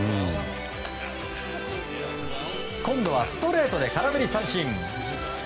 今度はストレートで空振り三振。